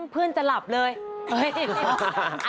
เพลงจะหลับเลย